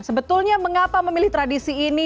sebetulnya mengapa memilih tradisi ini